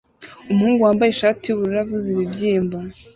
Umuhungu wambaye ishati yubururu avuza ibibyimba